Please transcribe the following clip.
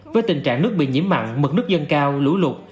với tình trạng nước bị nhiễm mặn mực nước dâng cao lũ lụt